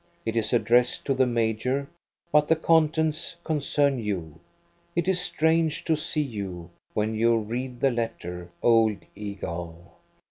It is addressed to the major, but the contents concern you. It is strange to see you, when you read the letter, old eagle.